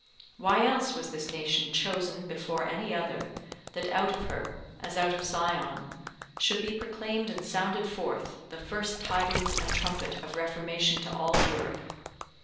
Why else was this nation chosen before any other, that out of her, as out of Sion, should be proclaimed and sounded forth the first tidings and trumpet of Reformation to all Europe?